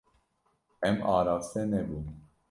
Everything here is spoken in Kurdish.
Em araste nebûn.